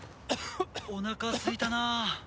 おなかすいたなあ。